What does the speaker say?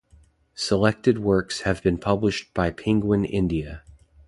Selected works have been published by Penguin India.